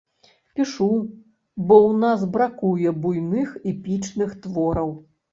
Пішу, бо ў нас бракуе буйных эпічных твораў.